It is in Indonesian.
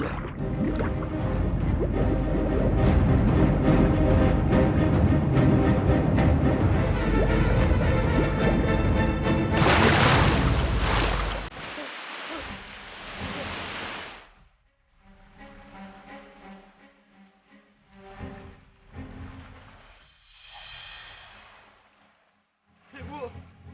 ikan itu mau kemana